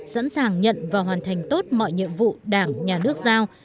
sẵn sàng nhận và hoàn thành tốt mọi nhiệm vụ đảng nhà nước giao